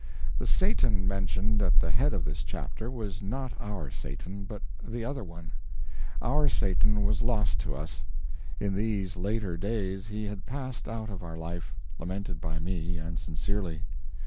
The Satan mentioned at the head of this chapter was not our Satan, but the other one. Our Satan was lost to us. In these later days he had passed out of our life lamented by me, and sincerely.